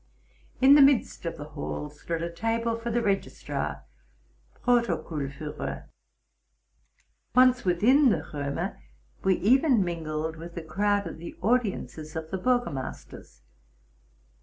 In the midst of the hall stood a table for the registrar (Protocul Suhrer). Once within the Romer, we even mingled with the crowd at the audiences of the burgomasters.